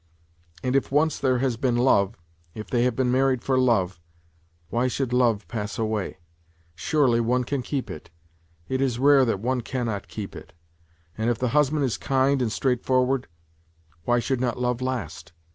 And if once there has been love, if they have been married for love, why should love pass away ? Surely one can keep it ! It is rare that one cannot keep it. And if the husband is kind and straightforward, why should not love last